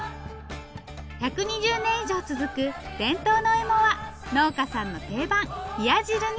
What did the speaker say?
１２０年以上続く伝統のおいもは農家さんの定番冷や汁に。